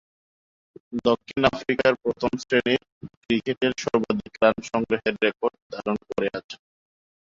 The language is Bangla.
দক্ষিণ আফ্রিকার প্রথম-শ্রেণীর ক্রিকেটে সর্বাধিক রান সংগ্রহের রেকর্ড ধারণ করে আছেন।